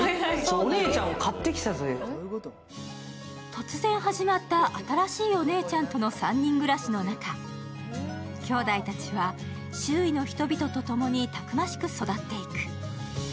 突然始まった新しいお姉ちゃんとの３人暮らしの中、きょうだいたちは周囲の人々と共にたくましく育っていく。